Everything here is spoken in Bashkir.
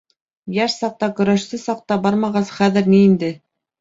Йәш саҡта, көрәшсе саҡта бармағас, хәҙер ни инде...